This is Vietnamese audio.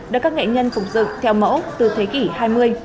được các nghệ nhân phục dựng theo mẫu từ thế kỷ hai mươi